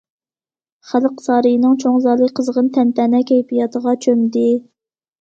خەلق سارىيىنىڭ چوڭ زالى قىزغىن تەنتەنە كەيپىياتىغا چۆمدى.